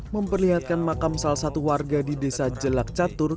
memperlihatkan makam salah satu warga di desa jelak catur